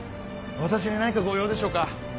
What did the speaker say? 私に何かご用でしょうか？